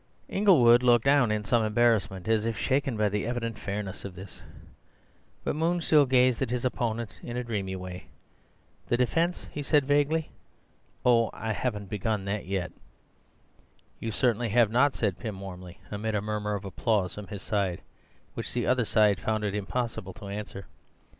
Inglewood looked down in some embarrassment, as if shaken by the evident fairness of this, but Moon still gazed at his opponent in a dreamy way. "The defence?" he said vaguely—"oh, I haven't begun that yet." "You certainly have not," said Pym warmly, amid a murmur of applause from his side, which the other side found it impossible to answer.